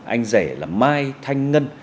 anh rẻ là mai thanh ngân